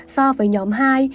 so với nhóm hai